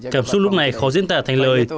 cảm xúc lúc này khó diễn tả thành lời